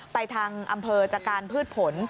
ไปทางอำเภอจากการพืชผล